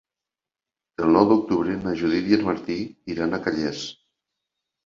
El nou d'octubre na Judit i en Martí iran a Calles.